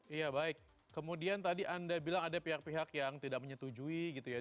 iya baik kemudian tadi anda bilang ada pihak pihak yang tidak menyetujui gitu ya